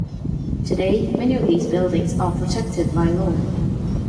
Today, many of these buildings are protected by law.